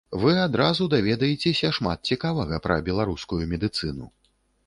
Вы адразу даведаецеся шмат цікавага пра беларускую медыцыну.